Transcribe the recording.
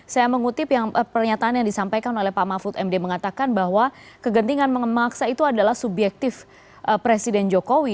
saya mengutip pernyataan yang disampaikan oleh pak mahfud md mengatakan bahwa kegentingan memaksa itu adalah subjektif presiden jokowi